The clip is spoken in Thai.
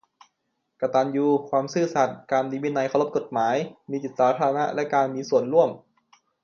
กตัญญู ความซื่อสัตย์ การมีวินัย เคารพกฎหมาย มีจิตสาธารณะและการมีส่วนร่วม